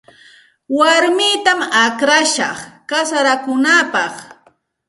Warmitam akllashaq kasarakunaapaq.